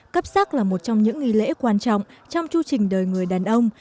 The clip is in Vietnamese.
cấp sắc là một trong những nghi lễ quan trọng trong chưu trình đời người đàn ông